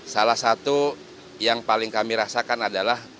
salah satu yang paling kami rasakan adalah